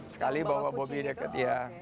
sekali bawa bobby dekat